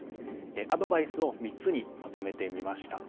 アドバイスを３つにまとめてみました。